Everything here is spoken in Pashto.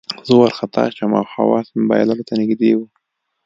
زه وارخطا شوم او حواس مې بایللو ته نږدې وو